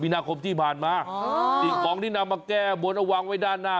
มินาคมที่ผ่านมาอ๋อดินกล่องที่นำมาแก้วงค์เอาวางไว้ด้านหน้า